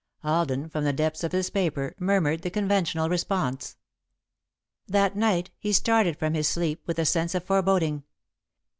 Alden, from the depths of his paper, murmured the conventional response. That night he started from his sleep with a sense of foreboding.